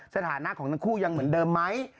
สถานะของทั้งคู่ยังเหมือนเดิมไหม